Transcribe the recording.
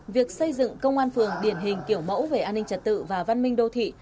việc xây dựng công an phường điển hình kiểu mẫu về an ninh trật tự và văn minh đô thị